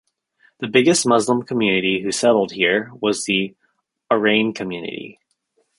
The biggest Muslim community who settled here was the Arain community.